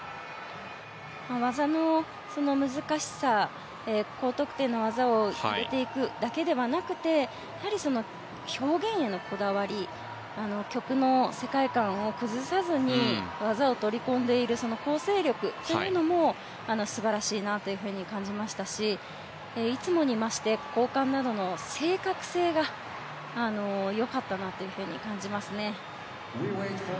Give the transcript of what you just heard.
技の難しさ、高得点の技を入れていくだけではなくてやはり表現へのこだわり曲の世界観を崩さずに技を取り込んでいるその構成力というものも素晴らしいなと感じましたしいつもに増して交換などの正確性が良かったなと感じますね。